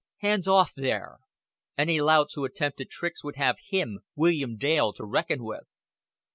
Hands off, there. Any louts who attempted tricks would have him, William Dale, to reckon with.